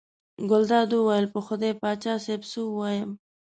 ګلداد وویل: په خدای پاچا صاحب څه ووایم.